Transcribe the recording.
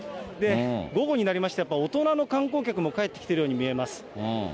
午後になりまして、やっぱ大人の観光客も帰ってきているように見えます。